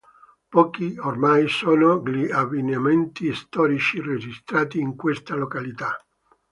Pochi, ormai, sono gli avvenimenti storici registrati in questa località.